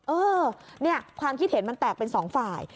เออความคิดเห็นมันแตกเป็น๒ฝ่าย